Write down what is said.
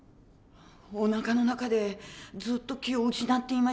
おなかの中でずっと気を失っていました。